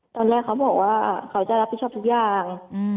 ตอนแรกเขาบอกว่าเขาจะรับผิดชอบทุกอย่าง